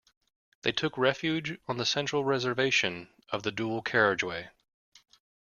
They took refuge on the central reservation of the dual carriageway